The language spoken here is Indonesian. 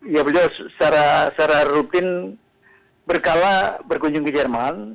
ya beliau secara rutin berkala berkunjung ke jerman